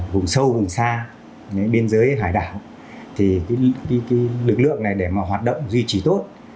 vùng sâu vùng xa biên giới hải đảo thì cái lực lượng này để mà hoạt động duy trì tốt